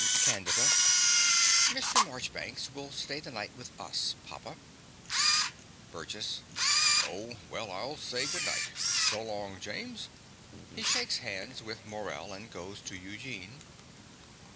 CANDIDA. Mr. Marchbanks will stay the night with us, papa. BURGESS. Oh, well, I'll say good night. So long, James. (He shakes hands with Morell and goes on to Eugene.)